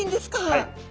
はい。